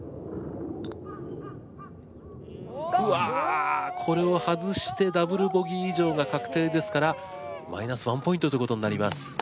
うわこれを外してダブルボギー以上が確定ですからマイナス１ポイントということになります。